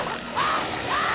ああ！